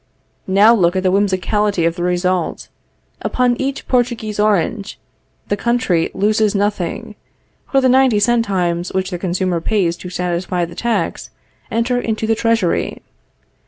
Now look at the whimsicality of the result. Upon each Portuguese orange, the country loses nothing; for the ninety centimes which the consumer pays to satisfy the tax, enter into the treasury.